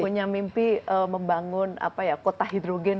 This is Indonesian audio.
punya mimpi membangun apa ya kota hidrogen